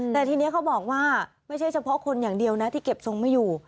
แต่ทีนี้เขาบอกว่าไม่ใช่เฉพาะคนอย่างเดียวนะที่เก็บทรงไม่อยู่